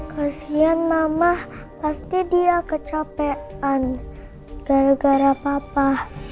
kasian mama pasti dia kecapean gara gara papa